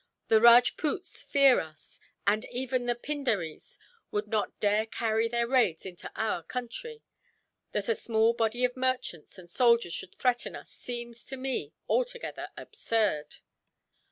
The Rajpoots fear us, and even the Pindaries would not dare carry their raids into our country. That a small body of merchants and soldiers should threaten us seems, to me, altogether absurd."